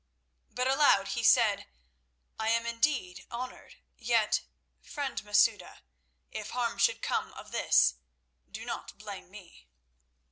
But aloud he said, "I am indeed honoured; yet, friend Masouda, if harm should come of this, do not blame me."